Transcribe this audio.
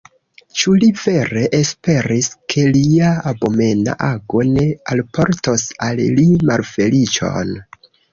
Ĉu li vere esperis, ke lia abomena ago ne alportos al li malfeliĉon?